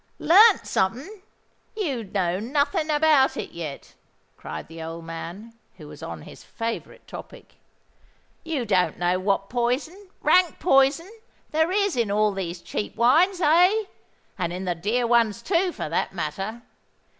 "Learnt something! You know nothing about it yet," cried the old man, who was on his favourite topic. "You don't know what poison—rank poison—there is in all these cheap wines;—aye, and in the dear ones too, for that matter.